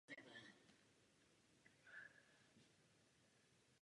U zbylých třech sportovců padne výrok až po olympiádě v Pchjongčchangu.